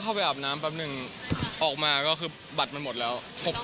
ไปอาบน้ำแป๊บนึงออกมาก็คือบัตรมันหมดแล้ว